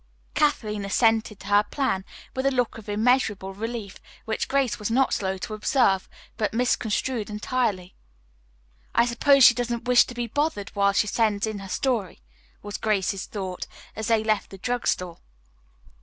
Kathleen assented to her plan with a look of immeasurable relief which Grace was not slow to observe, but misconstrued entirely. "I suppose she doesn't wish to be bothered while she sends in her story," was Grace's thought as they left the drug store.